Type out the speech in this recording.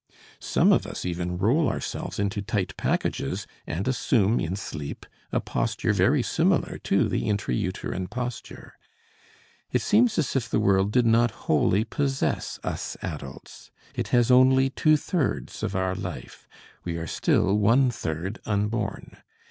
Some of us even roll ourselves into tight packages and assume in sleep a posture very similar to the intra uterine posture. It seems as if the world did not wholly possess us adults, it has only two thirds of our life, we are still one third unborn.